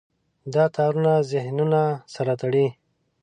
دا تارونه ذهنونه سره تړي.